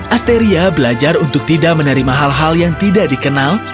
asteria belajar untuk tidak menerima hal hal yang tidak dikenal